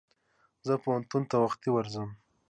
زه پوهنتون ته وختي ورځم.